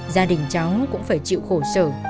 gia đình cháu cũng phải chịu khổ sở